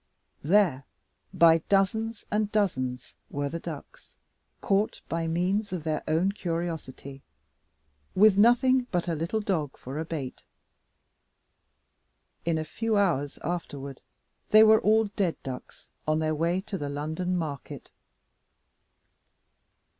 There, by dozens and dozens, were the ducks, caught by means of their own curiosity with nothing but a little dog for a bait! In a few hours afterward they were all dead ducks on their way to the London market.